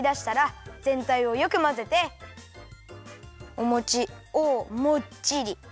おもちをもっちり。